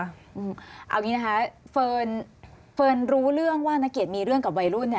เอาอย่างนี้นะคะเฟิร์นรู้เรื่องว่านักเกียรติมีเรื่องกับวัยรุ่น